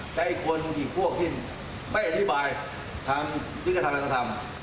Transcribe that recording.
ได้คนมูลตีพวกขึ้นไม่อธิบายทำลัยทำั้นทำ